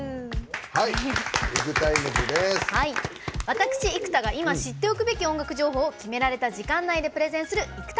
私生田がいま知っておくべき音楽情報を決められた時間内でプレゼンする「ＩＫＵＴＩＭＥＳ」。